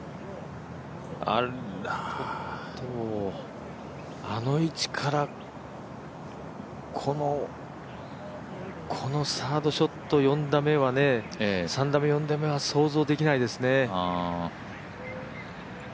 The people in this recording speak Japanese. あらあの位置からこのサードショット、３打目、４打目は想像できないですね